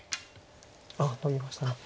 あっノビました。